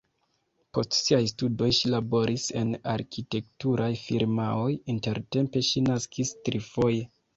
Post siaj studoj ŝi laboris en arkitekturaj firmaoj, intertempe ŝi naskis trifoje.